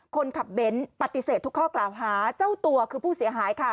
คนขับเบ้นปฏิเสธทุกข้อกล่าวหาเจ้าตัวคือผู้เสียหายค่ะ